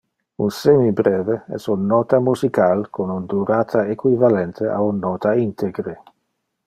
Un semibreve es un nota musical con un durata equivalente a un nota integre.